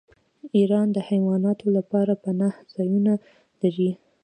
ایران د حیواناتو لپاره پناه ځایونه لري.